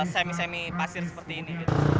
semi semi pasir seperti ini